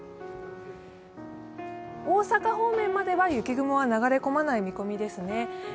大阪方面までは雪雲は流れ込まない見込みですね。